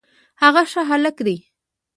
هغه ښه هلک دی